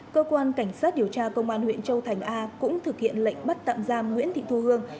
cơ quan cảnh sát điều tra công an huyện châu thành a cũng thực hiện lệnh bắt tạm giam nguyễn thị thu hương